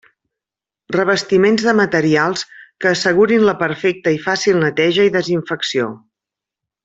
Revestiments de materials que assegurin la perfecta i fàcil neteja i desinfecció.